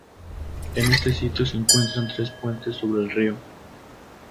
En este sitio se encuentran tres puentes sobre el río.